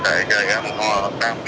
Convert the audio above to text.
cảm ơn anh ạ